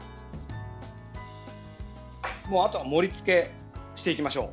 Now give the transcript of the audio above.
あとは盛りつけしていきましょう。